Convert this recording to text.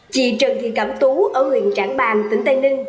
chị trần thị cẩm tú ở huyện trảng bàng tỉnh tây ninh